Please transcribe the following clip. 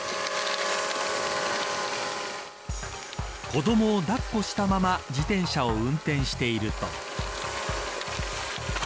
子どもを抱っこしたまま自転車を運転していると。